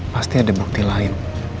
pasti ada bukti lain